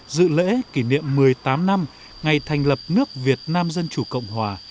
dự lễ kỷ niệm một mươi tám năm ngày thành lập nước việt nam dân chủ cộng hòa